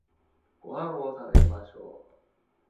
ご飯を食べましょう